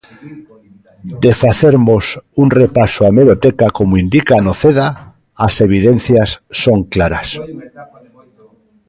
De facermos un repaso á hemeroteca, como indica Noceda, as evidencias son claras.